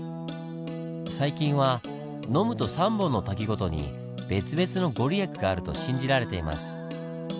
最近は飲むと３本の滝ごとに別々の御利益があると信じられています。